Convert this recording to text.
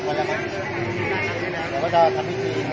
สวัสดีครับสวัสดีครับ